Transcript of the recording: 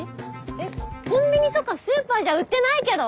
えっコンビニとかスーパーじゃ売ってないけど。